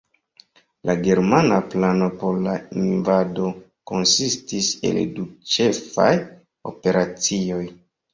La germana plano por la invado konsistis el du ĉefaj operacioj.